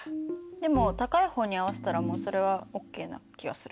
でも高い方に合わせたらもうそれはオッケーな気がする。